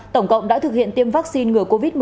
tổng cộng đã thực hiện tiêm vaccine ngừa covid một mươi chín